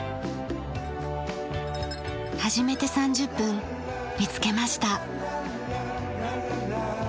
始めて３０分見つけました。